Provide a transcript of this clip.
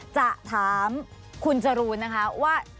จะถามคุณจรูนนะคะว่า